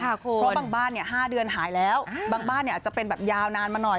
เพราะบางบ้าน๕เดือนหายแล้วบางบ้านอาจจะเป็นแบบยาวนานมาหน่อย